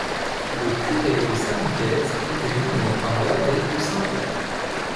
Le curé de Saint-Nicaise était nommé par l’abbé de Saint-Ouen.